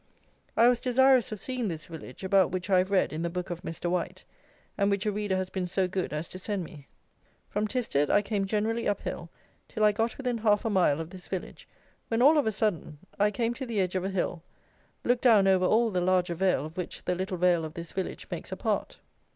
I was desirous of seeing this village, about which I have read in the book of Mr. White, and which a reader has been so good as to send me. From Tisted I came generally up hill till I got within half a mile of this village, when, all of a sudden, I came to the edge of a hill, looked down over all the larger vale of which the little vale of this village makes a part.